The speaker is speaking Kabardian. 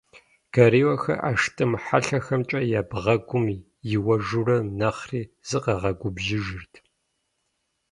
Гориллэхэр ӏэштӏым хьэлъэхэмкӏэ я бгъэгум иуэжурэ, нэхъри зыкъагъэгубжьыжырт.